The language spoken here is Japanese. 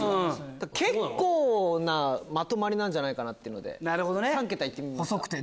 だから結構なまとまりなんじゃないかな？っていうので３桁行ってみました。